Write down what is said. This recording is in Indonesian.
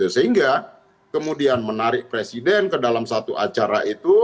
sehingga kemudian menarik presiden ke dalam satu acara itu